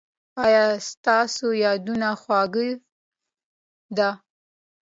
ایا ستاسو یادونه خوږه ده؟